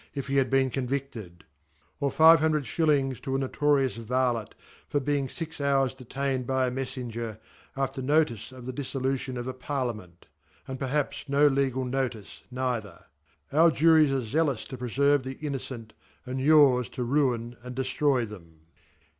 if he had been conv'icled : Or £06 \Jo a notorious Varletfior beingfix hours detained by a Mejfienger, ( after notice of tfje'DiJfolution of a Parliament) axd Perhaps no legal notice neither. Our Juries are zealous to preferve\he Innocent y and yours to ruine and deft roy them.